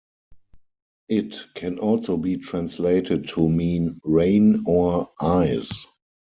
It can also be translated to mean "rain" or "eyes.